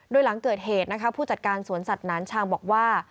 โดยหลังเกิดเหตุนะคะผู้จัดการสวนสัตว์หนานชางบอกว่า